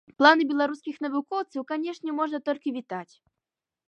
Планы беларускіх навукоўцаў, канешне, можна толькі вітаць.